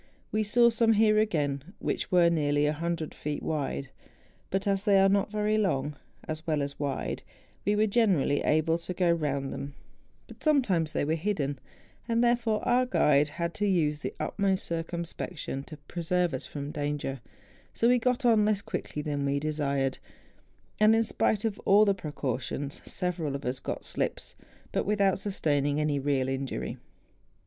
We saw some here again which were nearly 100 feet 70 MOUNTAIN ADVENTURES. wide; but, as they are not very long as well as wide, we were generally able to go round them; but sometimes they were hidden; and, therefore, our guide had to use the utmost circumspection to pre¬ serve us from danger; so we got on less quickly than we desired; and, in spite of all the precau¬ tions, several of us got slips, but without sustaining any real injury.